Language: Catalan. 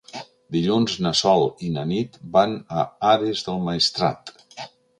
Dilluns na Sol i na Nit van a Ares del Maestrat.